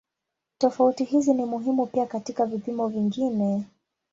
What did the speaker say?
Tofauti hizi ni muhimu pia katika vipimo vingine.